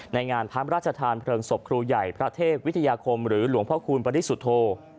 งานพระราชทานเพลิงศพครูใหญ่พระเทพวิทยาคมหรือหลวงพ่อคูณปริสุทธโธ